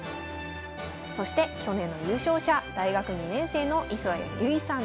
そして去年の優勝者大学２年生の磯谷祐維さんです。